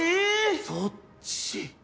そっち。